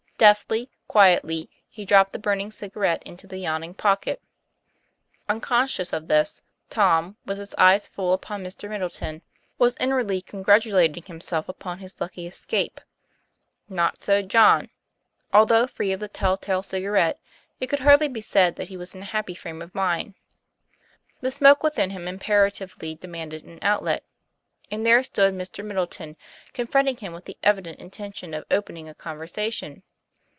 Deftly, quietly, he dropped the burning cigarette into the yawning pocket. Un conscious of this, Tom, with his eyes full upon Mr. Middleton, was inwardly congratulating himself upon his lucky escape. Not so John. Although free of the tell tale cigarette, it could hardly be said that he was in a happy frame of mind. The smoke within him imperatively demanded an outlet; and there stood Mr. Middleton, confronting him with the evi dent intention of opening a conversation.